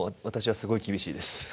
私はすごい厳しいです。